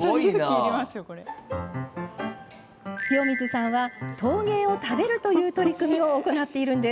清水さんは、陶芸を食べるという取り組みを行っています。